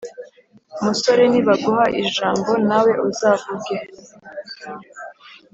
Musore, nibaguha ijambo nawe uzavuge,